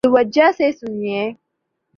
توجہ سے سنیئے